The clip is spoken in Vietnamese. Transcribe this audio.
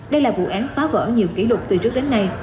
đây là vụ án phá vỡ nhiều kỷ lục từ trước đến nay